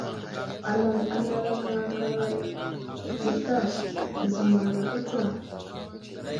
Anaŋ anaraka aka aray i sla, zəmaraka tsa.